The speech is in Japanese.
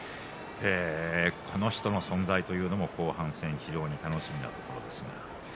この人の存在、後半戦非常に楽しみなところです。